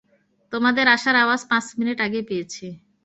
তোমাদের আসার আওয়াজ পাঁচ মিনিট আগেই পেয়েছি।